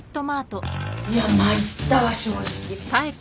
いや参ったわ正直。